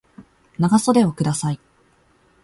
長袖をください